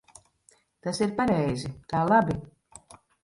Tas ir pareizi. Tā labi.